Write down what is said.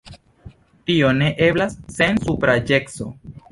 Tio ne eblas sen supraĵeco.